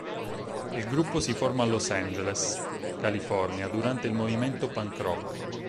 Il gruppo si forma a Los Angeles, California durante il movimento punk rock.